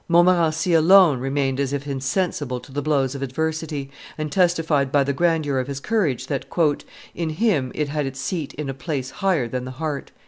Montmorency alone remained as if insensible to the blows of adversity, and testified by the grandeur of his courage that in him it had its seat in a place higher than the heart."